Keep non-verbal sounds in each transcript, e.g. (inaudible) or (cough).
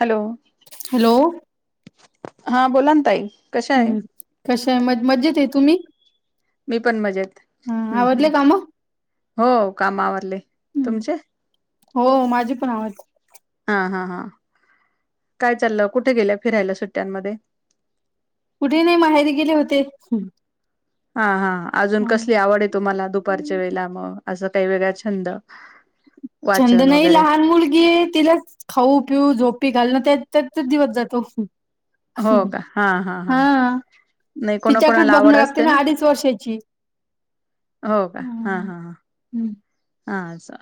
Hello hello हा बोला ना ताई कशा आहे हम्म कशा आहे म मजेत आहे तुम्ही मी पण मजेत हा हम्म हम्म आवरले काम हो कामावरले हम्म तुमचे हो माझी पण आवड ह ह ह काय चाललं कुठे गेल्या फिरायला सुट्ट्यांमध्ये कुठे नाही माहेरी गेले होते हा हा अजून हा कसली आवड आहे तुम्हाला दुपारच्या वेळे मग असं काही वेगळा छंद वाचन चंदना ह वगैरे लहान मुलगी आहे तिला खाऊ पिऊ झोप प घाल ना त्या त्यात दिवस जातो हो का हा हा नाही तिच्याकच कोणाकोणाला बघण आवड लागते असते ना अडीच वर्षाची हो का हा हा हा च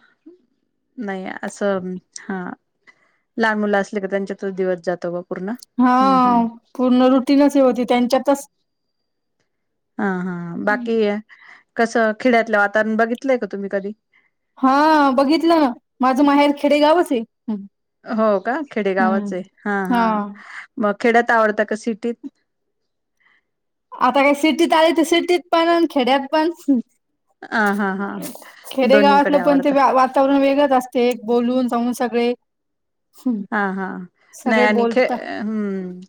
नाही असं हा लहान मुलं असले का त्यांच्यातच दिवस जातो ग हा पूर्ण रुटीनच हे होती त्यांच्यातच हा हा! बाकी कसं खिड्यातलं वातावरण बघितलंय का तुम्ही कधी? हा बघितलं न माझं माहेर खेडेगावच ए हो का? खेडेगावाचे हा हा मग खेड्यात आवडत का? सिटीत आता काय सिटीत आले त सिटीत पण खेड्यात पण. ह हा हा दोन्हीकडे खेडेगावातलं पण ते आवडतं वातावरण वेगळंच असते एक बोलून (unintelligible) सगळे हा हा नाही सगळे आणि खे बोलता हम्म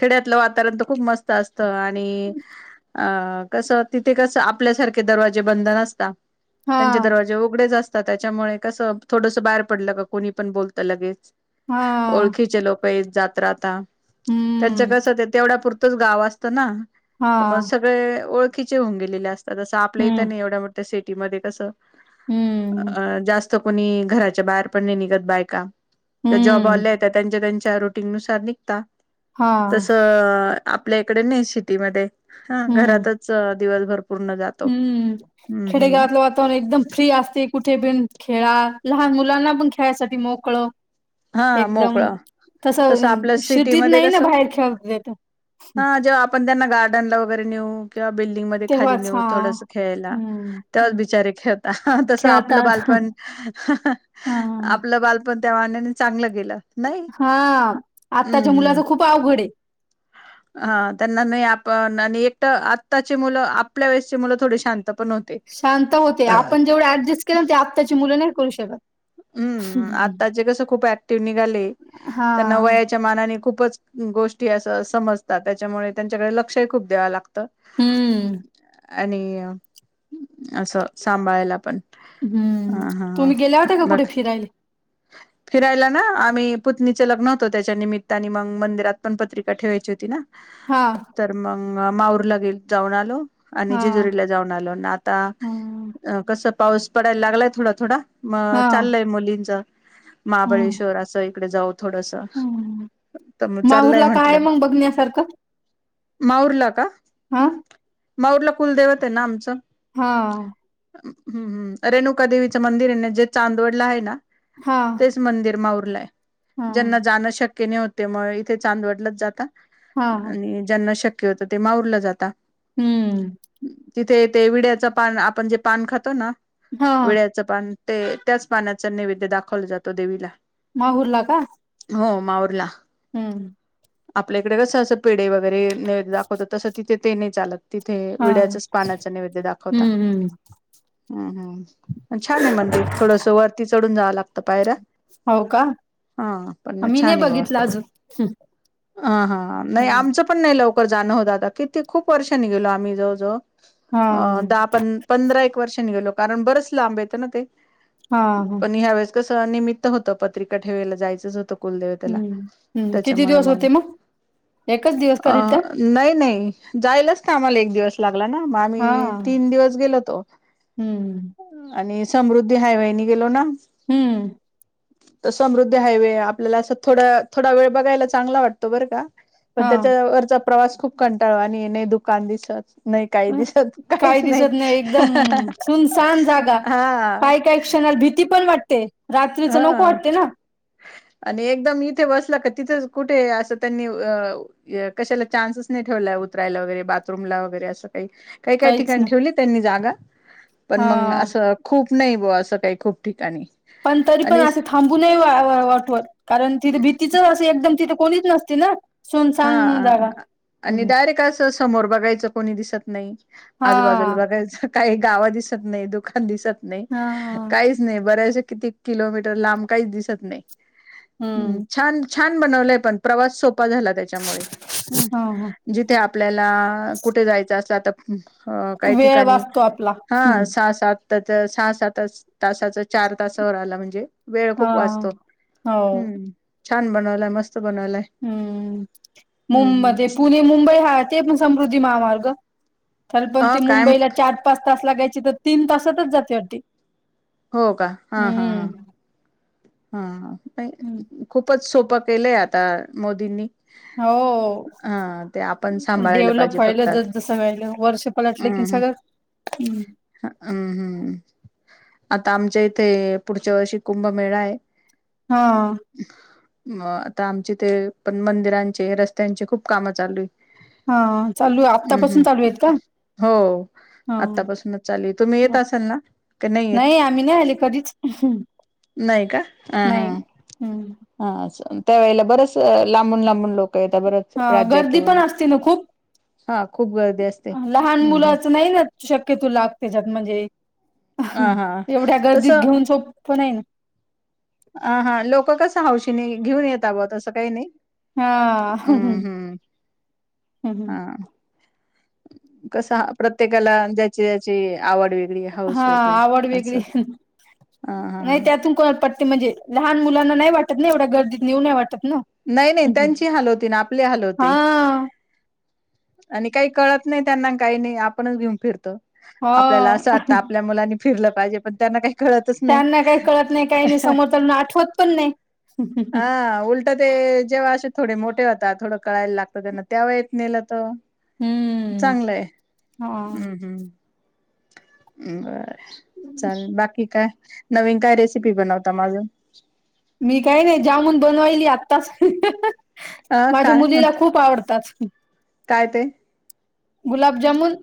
खेड्यातलं वात पर्यंत खूप मस्त असत आणि अ कस तिथे कस आपल्यासारखे दरवाजे ब द नसता. हा त्यांचे दरवाजे उघडेच अस त्याच्यामुळे कसं थोडस बाहेर पडलं का कोणी पण बोलतं लगेच. हा ओळखीचे लोक येत जात राहता त्यांच हम्म कस ते तेवढ्या पुर च गाव असतं ना हा त म सगळे ओळखीचे होऊन गेलेले अस स आपल्या इथं हम्म नाही एवढ्या मोठ्या सिटीमध्ये कसं हम्म अ जास तो कोणी घराच्या बाहेर पण नही निघत बायका त जॉब हम्म वाल्या आहे त्यांच्या त्यांच्या रुटिंग नुसार निघता हा तस. आपल्या इकडे नही सिटीमध्ये हा हम्म घरातच दिवसभर पूर्ण जातो हम्म हम्म हम्म खेडेगावातलं वातावरण एकदम फ्री असते कुठे बिन खेळा लहान मुलांना पण खेळासाठी मोकळ. हा एकदम मोकळा तस तसं आपल्या शीटीत सिटीमध्ये नाही ना कसं बाहेर खेळ (unintelligible) हा जेव्हा आपण त्यांना गार्डनला वगैरे नेऊ. जेव्हा बिल्डिंग मध्ये खाली तेव्हाच नेऊ हा थोड खेळायला हम्म तेव्हाच हम्म बिचारे खेळता तस आपलं खेळतात बालप हा आपलं बालपण त्या मानानी चांगलं. गेलं नाही हा हम्म आताच्या हम्म मुलाच खूप अवघड ए. हा त्यांना नाही आपण आणि एकट आत्ताची मुलं आपल्या वेळेस चे मुलं थोडी शांत पण होते शांत होते आपण जेवढं ऍडजस्ट केलं ते आत्ताची मुलं नाही करू शकत. हम्म आताचे कस खूप ऍक्टिव निघाले. हा त्यांना वयाच्या मानाने खूपच! गोष्टी असं समजतात. त्याच्यामुळे त्यांच्याकडे लक्ष खूप द्याव लागत. हम्म आणि असं सांभाळायला पण. हम्म हा हा तुम्ही गेल्या होत्या का बघ कुठे फिरायले? फिरायला ना आम्ही पुत्नीचं लग्न होत त्याच्या निमित्ता नी मग आणि मंदिरात पण पत्रिका ठेवायची होती न. हा तर मग माहूर ला गेल जाऊन आलो. आणि हा जेजुरीला जाऊन आलो ना आता हम्म अ कस पाऊस पडायला लागलाय थोडा थोडा! मग हा चाललय मुलींच हम्म महाबळेश्वर असं इकडे जाऊ थोडस. हम्म. त मग चाललंय माहूरला काय म्हंटलं मग बघण्यासारखं माहूरला का? हा हम् माहूरला कुलदैवत आहे ना आमचं. हा हम्म हम्म रेणुका देवीचं मंदिर आहे ना जे चांदवडला आहे ना हा तेच मंदिर माहूर हा ज्यांना जाणं शक्य नाही होत म इथे चांदवडला जाता. हा आणि ज्यांना शक्य होतं ते माहूरला जाता. हम्म तिथे ते विड्याचं पान आपण जे पान खातो ना? हा विड्याचं पान ते त्याच पाण्याच नैवेद्य दाखवलं जातो देवीला. माहूरला का? हो माहूरला. हम्म आपल्या कडे कसं असं पेढ वगैरे नैवेद्य दाखवतात. तसं तिथे ते नाही चालत. तिथे हा विड्याच्याच पानाच नैवेद्य दाखवता हम्म हम्म हम्म हम्म छान आहे मंदिर थोडंस वरती चढून जावं लागतं पायऱ्या. हो का हा पण मग मी नाही छान य बा. बघितलं अजून हा हा नाही हम्म. आमचं पण नाही लवकर जाण हो दादा किती खूप वर्षानी गेलो आम्ही जवळवळ अ हा दहा प पंधरा एक वर्षा निघेलो कारण बरच लांब येतं ना ते हा हा तसं निमित्त होतं पत्रिका ठेवायला जायचंच होतं. कुलदेवतेला, हम्म हम्म किती त्याच्यामुळे दिवस मग, होते एकच दिवस का अ रिटर्न? नाही नाही. जायलच ना आम्हाला एक दिवस लाग ला म हा आम्ही तीन दिवस गेलो तो, हम्म आणि समृद्धी हायवेईने गेलो ना. हम्म. त समृद्ध हायवे आपल्याला असं थोड थोडा वेळ बघायला चांगला वाटतो बर का. पण हा त्याच्यावररचा प्रवास खूप कंटाळवा आणि नाही दुकान दिसत. नाही काही अ, दिवसात काहीच काही नाही. दिसत एकदम सुनसान जागा हा. ते, रात्रीच नको हा वाटतय ना. आणि एकदम इथे बसला का तिथे कुठे असं त्यांनी कशाला चान्ससच नाही ठेवला उतरायला वगैरे बाथरूला वगैरे अस. काही काही काहीच ठिकाणी नाही ठेवली त्यांनी जागा पण मग हा असं खूप नाही ब असं काही खूप ठिकाणी. पण तरी पण आणि अस थांबून वाटवत कारण तिथे भीतीच अस एकदम तिथे कोणीच नसती ना. सुनसान जागा हा आणि हम्म. डायरेक अस समोर बघायचं कोणी दिसत नाही हा आजूबाजूला बघायचं काय गावा दिसत नाही दुकान दिसत नाही हा काहीच नाही बऱ्यासा किती किलोमीटर लांब काहीच दिसत नाही, हम्म छान छान बनवलंय पण प्रवास सोपा झाला. तिच्या मुळे, हम्म, हा हा जिथे आपल्याला कुठे जायचं असल तर हो काही वेळ ठिकाणी, वाचतो आपला हा हम्म सहा - सातच, सहा- सातच तासाच चार तासावर आला म्हणजे वेळ हा खूप वाचतो, हो हम्म. छान बनवलाय, मस्त बनवलाय. मुं हम्म हम्म. मध्ये पुणे मुंबई वाहते समृद्धी महामार्ग तर पण अ ती काय मुंबईला चार पाच तास लागायची तर तीन तासातच जाते वाट हो का, हा हा, हा पण खूप खूपच सोपं केलंय आता मोदींनी. हो, हा ते आपण सांभाळायला डेव्हलप पाहिजे व्हायलं ज फक्तात जस वहिलं वर्षपलटली. ते सगळं ह हम्म हम्म. आता आमच्या इथे पुढच्या वर्षी कुंभमेळा आहे. हा. म आता आमचे ते पण मंदिरांचे रस्त्यांचे खूप काम चालू आहे. हा चालू हम् आत्तापासून हम्, चालू आहेत का हो. हा आत्तापासूनच चालू तुम्ही येत असाल ना, क नाही येत. आम्ही नाही आले कधीच नाही का, हा हा, नाही हम्म हा अस त्यावेेळेला बरच लांबून लांबून लोक येतात बरच हा गर्दी राज्यातून पण असते ना खूप. हा खूप गर्दी असते लहान हम्म हम्म मुलाच नाही ना शक्यतो लाग त्याच्या मध्ये. हा हा एवढ्या गर्दीत घेऊन सोप पण नाही ना. हा हा लोक कसं हौशीने घेऊन येत ब तसं काही नाही. हा हम् हम्म, हा. कस प्रत्येकाला ज्याची ज्याची आवड वेगळी हा हाऊस वेगळी आवड वेगळी, असं ह हा नाही त्यातून कोणा पट्टी म्हणजे लहान मुलांना नाहीं वाटतं नाहीं एवढ्या गर्दीत नेऊन नाहीं वाटतं. नाहीं नाहीं त्यांचीही हाल होती नां आपलीं हाल होतें. हा आणि कांहीं कळतं नाहीं त्यांनां कांहीं नाहीं आपणच घेऊन फिरतो. हो आपल्याला असं आता आपल्या मुलांनी फिरलं पाहिजे पणं त्यांनां कांहीं त्यांनां कांहीं कळतं नाहीं कांहीं नाहीं समोरं त्यांनां आठवत पणं नाहीं हा उलटं ते जेंव्हा असं थोडे मोठें होताात थोडं कळायला लागतंय त्यांनां त्याव्हा येतं नेलं तर हम्म चांगलंय हा हम्म हम्म बरं चालल बाकी काय नवीन काय रेसिपी बनवता अजून मी कांहीं नाहीं जामुन बनवायली आत्ताचं अ माझ्या काय मुलीला खूप आवडतात. काय ते गुलाबजामुन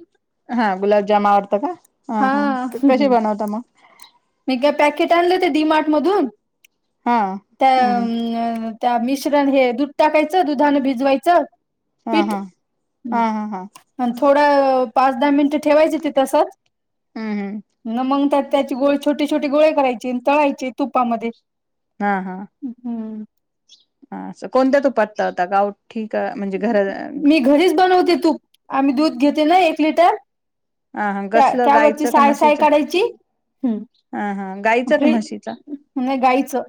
हा गुलाबजाम आवडतं का हा हा कशे बनवता मंग मी का पॅकेट आणलं होतं ते डीमार्ट मधून हा हम्म त्यां त्यां मिश्रण हे दूध टाकायचं दुधानं भिजवायचं हा पीठ हा हा आणि हम हम थोडं पांच दहा मिनिटं ठेवायचं ते तसंच हम्म हम्म मंग त्यात त्यांची गोळे छोटे छोट गोळे करायचे तळायचे तुपा मध्यें हा हाा असं कोणत्या तूपात तळतात गावरान ठीक आहे म्हणजे घरांला आम्हीं दूध घेते ना एक लिटर हा हा त्या कसल त्यावरची गायचं की साय साय म्हशीच काढायची हा हा गायचं की फ्री म्हशीचा नाही गाईचं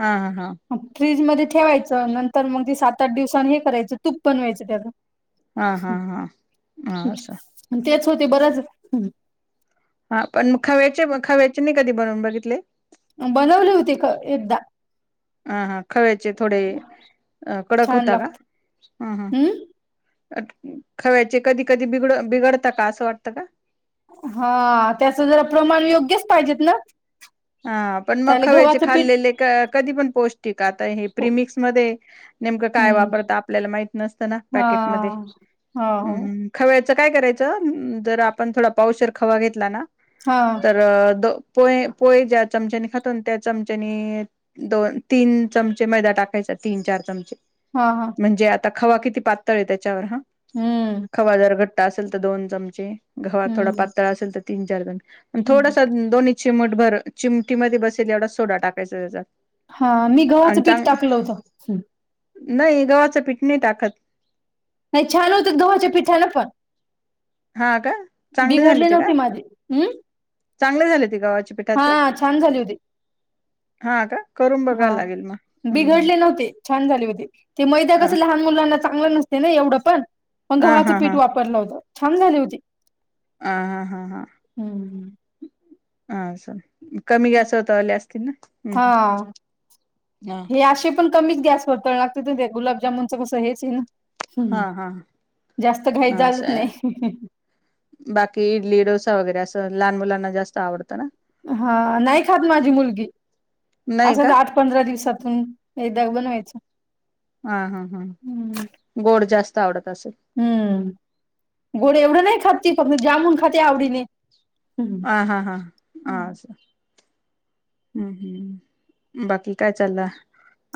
हा ह हा फ्रिज मध्यें ठेवायचं नंतर मंग ते सात आठ दिवसात त्यांचं तूप बनवायचं त्याचं हा हा हा हा असं तेचं होतें बराच हा पण मग खव्याचे खव्याचे नाही कधी बनवून बघितले. बनवले होतें एकदा हा हा खरंच थोडे कडक छान होता कां लागत हम् खवायचे कधी कधी बिड बिघडतात का असं वाटतं नां हा त्याचं जरा प्रमाण योग्यच पाहिजेत नां हा पणं मंग खव्याचे खाल्लेले कधी पणं पोस्टिंक आता हे प्रीमिक्स मध्यें नेमकं काय हम्म वापरता आपल्याला माहित नसतं ना हा पॅकेट मध्ये हो हो हम खवेत आता काय करायचं जर आपणं थोडा पाऊसेर खवा घेतला नां हा तर पोय ज्या चमच्यानी खातो त्या चमच्यानी दोन तीन चमचे मैदा टाकायचा तीनं चार चमचे हा हा म्हणजे आता खवा किती पातळ आहे त्यांच्यावर हा हम्म खवा जर घट्टा असेल तर दोन चमचे खवा थोडा हम्म पातळ असेल तर तीनं चार जणं हम्म थोडासा दोन्हीं चीमूट बरं चिमटीमध्ये बसेलेल एवढा सोडा टाकायचा त्यांचा हा मी गव्हाचं पीठ टाकलं होतं नाहीं गव्हाच पीठ नाहीं टाकतं नाहीं छान होता दोहाच्या पिठाणं पणं हा का चांगले झाले बिघडले ते नव्हते का माझे हम चांगले झालेत हा छान झाले होते हा का करून हा बघायला लागेल मग हम्म हम्म बिघडले नव्हते छान झाले होते ते मैद्या अ कस लहान मुलांना चांगलं नसत नाही एवढं पण मण हा गव्हाचं हा पीठ हा वापरलं होतं छान झाले होती. आ हा हा हा हम्म ह सां कमी गॅस वर तळले असतील ना? हम्म हा हा हे असे पण कमीच गॅस वर तळ लागते त गुलाबजामनचं कसं हेच आहे ना? हम्म हा हा जास्त घाय हा चालत असं नाही. बाकी इडली, डोसा वगैरे असं लहान मुलांना जास्त आवडत. हा नाही खात माझी मुलगी नाही असंच का आठ पंधरा दिवसात. (unintelligible) हा हा हा गोड जास्त आवडत. असेल. हम्म गोड एवढं नाही खातती फक्त जामून खाते आवडीने हम्म आ हा हा हा हम्म. (inaudible) हम्म हम् बाकी काय चाललं,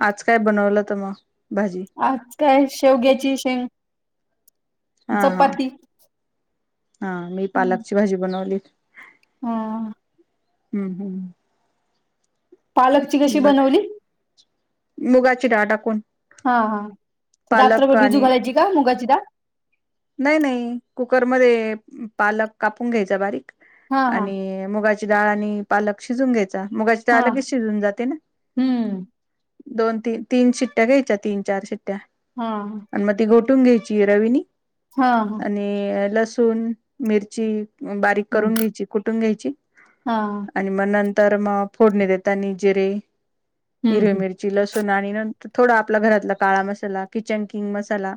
आज काय बनवलं होत मग? भाजी? आज काय? शेवग्याची शेंग. हा हा चपाती. हा मी हम्म. पालकची भाजी बनवली. हा हम्म हम्म पालकची कशी बघ बनवली? मुगाची डाळ टाकून. हा हा त पालक रात्रभर बिजू आणि घालायची का मुगाची डाळ? नाही नाही कुकरमध्ये पालक कापून घ्यायचा बारीक हा हा आणि मुगाची डाळ आणि पालक शिजून घेत मुगाची डाळ हा तर लगेच शिजून जाते ना? हम्म दोन तीन तीन शिट्ट्या घ्यायच्या तीन चार शिट्ट्या हा आणि मग ती गो कटून घ्यायची रवीनी हा हा हा आणि लसूण, मिरची बारीक हम्म करून घ्यायची कुठून घ्यायची हा आणि म तर मग फोडणी देता जिरे हम्म हिरवी हम्म मिरची लस णी नर थोड आपला घरातला काळा मसाला किचन किंग मसाला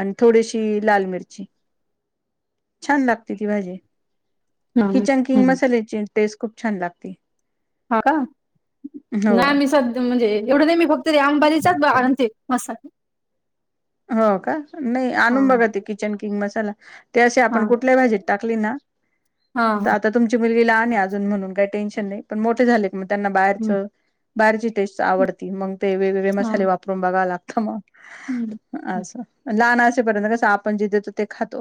आणि थोडीशी लाल मिरची छान लागते ती भाजी. हम्म किचन किंग हम्म. मसाल्याची टेस्ट खूप छान लागते. हा का हो नाही मी सध्या म्हणजे एवढं नाही मी फक्त र अंबाजीचाच आणते मसाल हो का नाही आणून बघ किचन किंग मसाला ते अे हा आपण कुठल्या भाजीत टाकली ना (inaudible) तर आता तुमची मुलगी अजून म्हणून काही टेन्शन नाही पण मोठे झाले मग त्यांना हम्म बाहेरचं बाहेरची टेस्ट आवडती मग ते वेगवेगळे हा मसाले वापरून बघावं लागतं मग. हम्म असं लहान असेपर्यंत कसं आपण जे देतो ते खातो.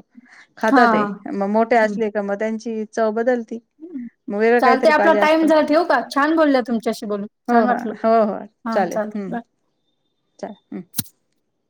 हा खातात ते हा मग मोठे हम्म असले का मग त्यांची चव बदलती मग वेगळं चालते काहीतरी आपला पाहिजे टाइम असतं झा ठेव का छान बोलल्या तुमच्याशी बोलून हो छान वाटलं हो हो हो हा चालेल चाल हम्म बा (inaudible)